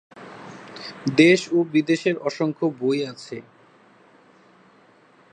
দেশ ও বিদেশের অসংখ্য বই আছে।